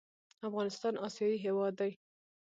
افغانستان اسیایي هېواد دی.